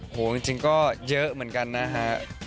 จริงก็เยอะเหมือนกันนะฮะ